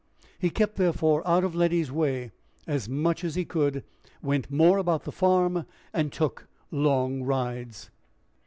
He kept, therefore, out of Letty's way as much as he could, went more about the farm, and took long rides.